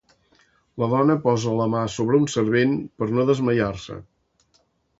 La dona posa la mà sobre un servent per no desmaiar-se.